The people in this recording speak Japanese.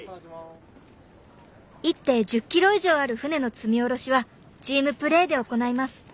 １艇１０ｋｇ以上ある船の積み降ろしはチームプレーで行います。